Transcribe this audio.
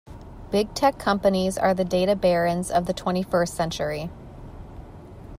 Big tech companies are the data barons of the twenty first century.